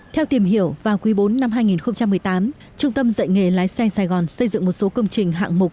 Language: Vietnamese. theo tìm hiểu vào quý bốn năm hai nghìn một mươi tám trung tâm dạy nghề lái xe sài gòn xây dựng một số công trình hạng mục